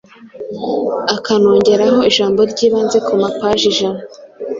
akanongeramo ijambo ry’ibanze ku mapaji ijana,